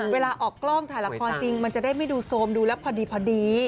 เวลาออกกล้องถ่ายละครจริงมันจะได้ไม่ดูโซมดูแล้วพอดี